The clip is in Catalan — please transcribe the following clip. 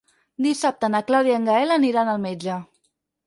Dissabte na Clàudia i en Gaël aniran al metge.